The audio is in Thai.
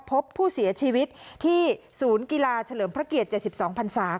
พบผู้เสียชีวิตที่ศูนย์กีฬาเฉลิมพระเกียรติ๗๒พันศา